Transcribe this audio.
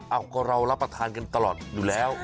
ก็เรารับประทานกันตลอดอยู่แล้ว